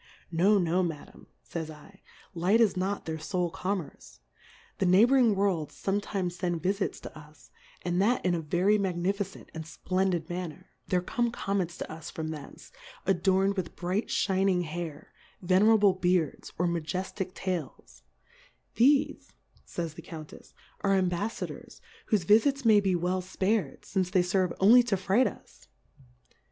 No, no, Madam, fays I ; Light is not their fole Commerce; the Nighbouring Worlds fometimes fend Vifits to us, and that in a very magnificent and fplendid manner : There come Comets to us from thence, adorn'd with bright fhin ing Hair, Venerable Beards, or Maje ftick Tails ; thefe, fays the Qoiintefs^ are Embaffadors, whofe V ifits may be well fpared, fince they ferve only to fright us.